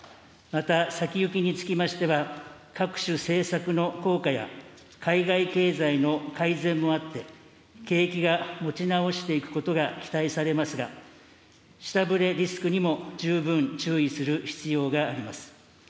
また先行きにつきましては、各種政策の効果や海外経済の改善もあって、景気が持ち直していくことが期待されますが、下振れリスクにも十分注意する必要があります。